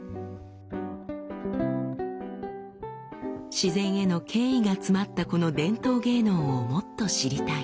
「自然への敬意が詰まったこの伝統芸能をもっと知りたい」。